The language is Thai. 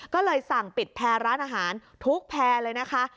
ก็เลยสั่งปิดแพรร้านอาหารทุกแพร่เลยนะคะ